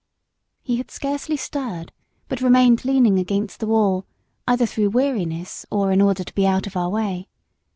He had scarcely stirred, but remained leaning against the wall either through weariness, or in order to be out of our way.